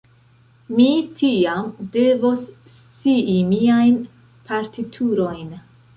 Mi tiam devos scii miajn partiturojn.